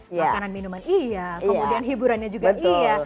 makanan minuman iya kemudian hiburannya juga iya